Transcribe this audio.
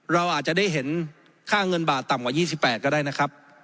เราอาจจะได้เห็นค่าเงินบาทต่ำกว่า๒๘ก็ได้นะครับ